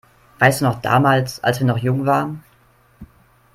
Weißt du noch damals, als wir noch jung waren?